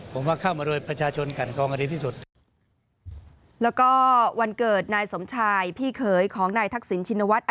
ผมว่าเข้ามาโดยประชาชนกันกองกันดีที่สุดแล้วก็วันเกิดนายสมชายพี่เขยของนายทักษิณชินวัฒน์